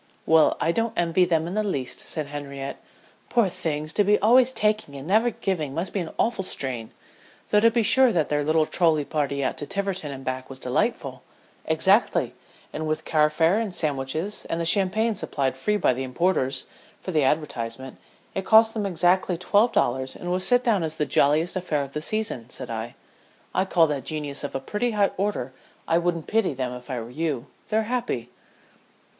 "Well I don't envy them in the least," said Henriette. "Poor things to be always taking and never giving must be an awful strain, though to be sure their little trolley party out to Tiverton and back was delightful " "Exactly; and with car fare and sandwiches, and the champagne supplied free by the importers, for the advertisement, it cost them exactly twelve dollars and was set down as the jolliest affair of the season," said I. "I call that genius of a pretty high order. I wouldn't pity them if I were you. They're happy."